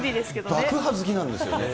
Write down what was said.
爆破好きなんですよ。